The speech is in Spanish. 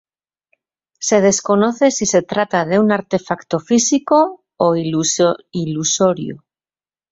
Se desconoce si se trata de un artefacto físico o ilusorio.